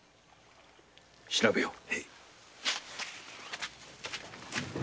調べよう！